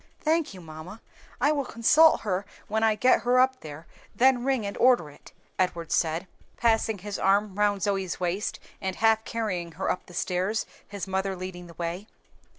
"Thank you, mamma; I will consult her when I get her up there, then ring and order it," Edward said, putting his arm round Zoe's waist and half carrying her up the stairs, his mother leading the way.